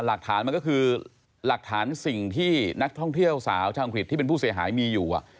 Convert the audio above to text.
หลักฐานมันก็คือหลักฐานสิ่งที่นักท่องเที่ยวสาวชาวอังกฤษที่เป็นผู้เสียหายมีอยู่